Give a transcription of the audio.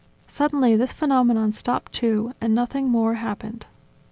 . Suddenly, this phenomenon stopped too, and nothing more happened.